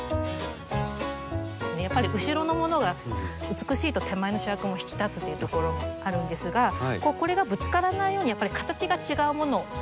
やっぱり後ろのものが美しいと手前の主役も引き立つっていうところもあるんですがこれがぶつからないようにやっぱり形が違うものをそれぞれ選んでます。